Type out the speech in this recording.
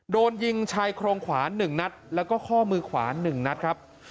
โดนยิงชายโครงขวา๑นัดแล้วก็ข้อมือขวา๑นัดครับ